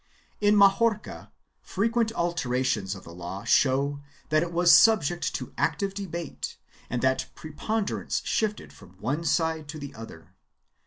2 In Majorca, frequent alterations of the law show that it was subject to active debate and that preponderance shifted from one side to the other.